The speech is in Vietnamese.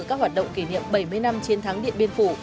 các hoạt động kỷ niệm bảy mươi năm chiến thắng điện biên phủ